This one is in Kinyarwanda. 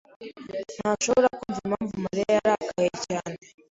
ntashobora kumva impamvu Mariya yarakaye cyane.